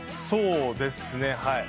そうですね。